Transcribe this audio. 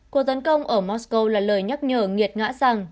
cuộc tấn công ở mosco là lời nhắc nhở nghiệt ngã rằng